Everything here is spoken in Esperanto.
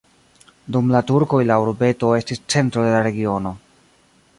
Dum la turkoj la urbeto estis centro de la regiono.